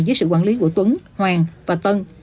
dưới sự quản lý của tuấn hoàng và tân